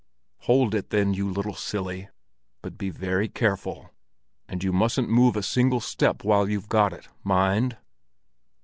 "Hold it then, you little silly, but be very careful! And you mustn't move a single step while you've got it, mind!"